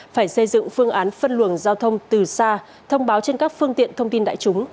phải xây dựng phương án phân luồng giao thông từ xa thông báo trên các phương tiện thông tin đại chúng